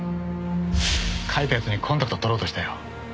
書いた奴にコンタクトを取ろうとしたよ。